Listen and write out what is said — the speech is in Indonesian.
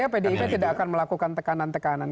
pdip tidak akan melakukan tekanan tekanan